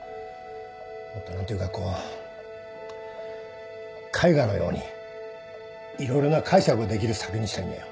もっと何というかこう絵画のように色々な解釈のできる作品にしたいんだよ。